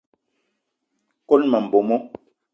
Kone ma mbomo.